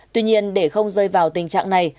tuy nhiên để không rơi vào tình trạng này